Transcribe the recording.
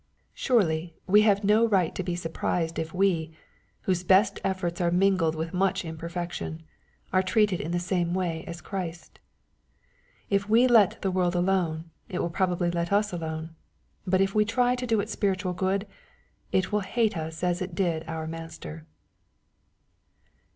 Surely we have no right to be surprised if we, whose best eflForts are mingled with much imperfection, are treated in the same way as Christ. If we let the world alone, it will probably let us alone. But if we try to do it spiritual good, it will hate us as it did our Master.